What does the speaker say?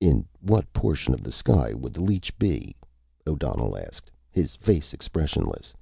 "In what portion of the sky would the leech be?" O'Donnell asked, his face expressionless.